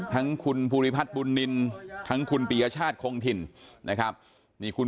ทั้งคุณภูริพัฒน์บุญนินทั้งคุณปียชาติคงถิ่นนะครับนี่คุณ